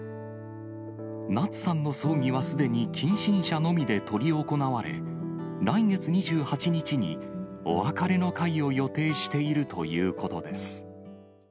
夏さんの葬儀はすでに近親者のみで執り行われ、来月２８日にお別れの会を予定しているということです。